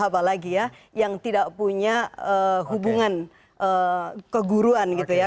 apalagi ya yang tidak punya hubungan keguruan gitu ya